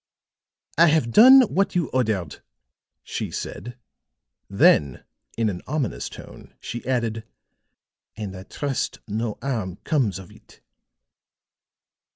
"I have done what you ordered," she said. Then in an ominous tone she added: "And I trust no harm comes of it."